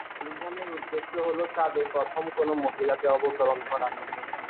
অভিযানের উদ্দেশ্য হল চাঁদে প্রথম কোনও মহিলাকে অবতরণ করানো।